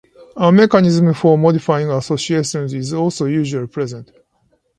A mechanism for modifying associations is also usually present.